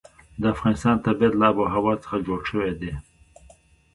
د افغانستان طبیعت له آب وهوا څخه جوړ شوی دی.